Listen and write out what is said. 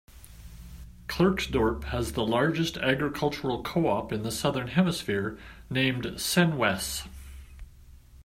Klerksdorp has the largest agricultural co-op in the southern hemisphere, named 'Senwes'.